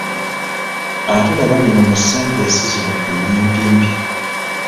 Ate laba bino mu sentensi zino ennyimpimpi.